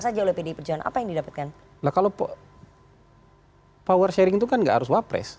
saja oleh pdi perjuangan apa yang didapatkan nah kalau power sharing itu kan nggak harus wapres